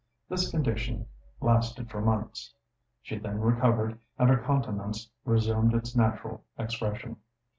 This condition lasted for months; she then recovered, and her countenance resumed its natural expression.